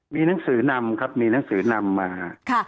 มีหนังสือนำครับมีหนังสือนำมา